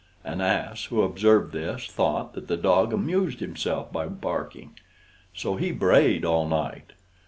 An ass, who observed this, thought that the dog amused himself by barking. So he brayed all night.